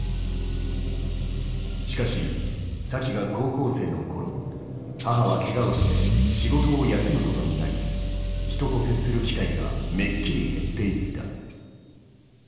しかしサキが高校生の頃母はケガをして仕事を休むことになり人と接する機会がめっきり減っていった。